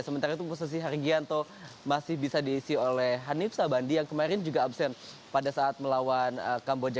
sementara itu posisi hargianto masih bisa diisi oleh hanif sabandi yang kemarin juga absen pada saat melawan kamboja